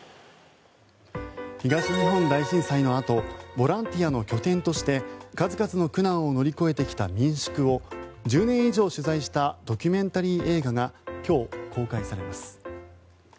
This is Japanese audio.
東日本大震災のあとボランティアの拠点として数々の苦難を乗り越えてきた民宿を１０年以上取材したドキュメンタリー映画が今日、公開されます。